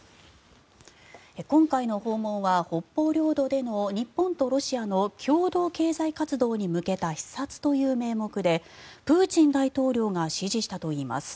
今回の訪問は北方領土での日本とロシアの共同経済活動に向けた視察という名目でプーチン大統領が指示したといいます。